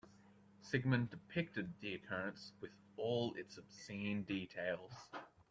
Sigmund depicted the occurrence with all its obscene details.